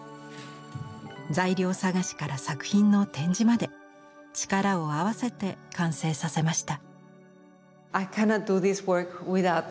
材料探しから作品の展示まで力を合わせて完成させました。